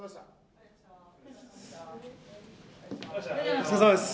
お疲れさまです。